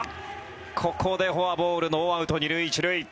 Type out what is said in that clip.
ここでフォアボールノーアウト２塁１塁。